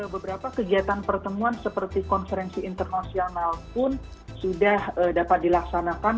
beberapa kegiatan pertemuan seperti konferensi internasional pun sudah dapat dilaksanakan